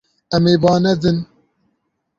Em ê ba nedin.